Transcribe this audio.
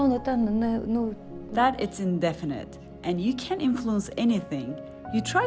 itu tidak mendefinis dan kamu tidak bisa menginfluensi apa apa pun